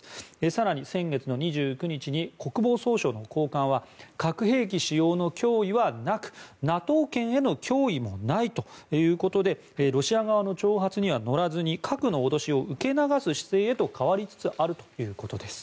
更に、先月２９日に国防総省の高官は核兵器使用の脅威はなくＮＡＴＯ圏への脅威もないということでロシア側の挑発には乗らずに核の脅しを受け流す姿勢へと変わりつつあるということです。